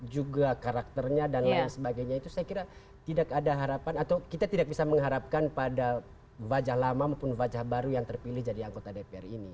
juga karakternya dan lain sebagainya itu saya kira tidak ada harapan atau kita tidak bisa mengharapkan pada wajah lama maupun wajah baru yang terpilih jadi anggota dpr ini